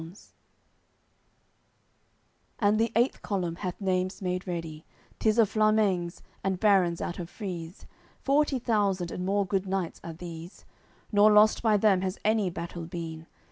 CCXXIII And the eighth column hath Naimes made ready; Tis of Flamengs, and barons out of Frise; Forty thousand and more good knights are these, Nor lost by them has any battle been.